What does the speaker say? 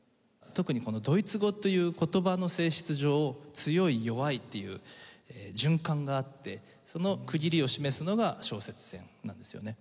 特にこのドイツ語という言葉の性質上強い弱いっていう循環があってその区切りを示すのが小節線なんですよね。